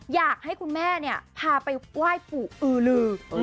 อยากให้คุณแม่พาไปไหว้ปู่อือลือ